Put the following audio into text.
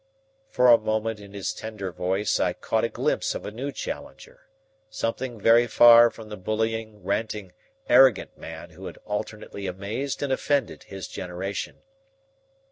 For a moment in his tender voice I caught a glimpse of a new Challenger, something very far from the bullying, ranting, arrogant man who had alternately amazed and offended his generation.